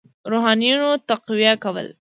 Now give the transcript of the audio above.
روحانیون تقویه کول.